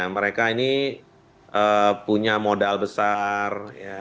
mereka ini punya modal besar